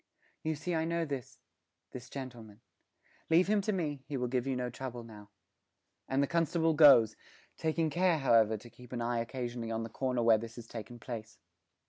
'You see I know this this gentleman. Leave him to me; he will give you no trouble now.' And the constable goes, taking care, however, to keep an eye occasionally on the corner where this has taken place.